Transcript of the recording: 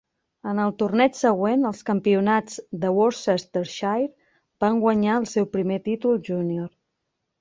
En el torneig següent, els campionats de Worcestershire, va guanyar el seu primer títol júnior.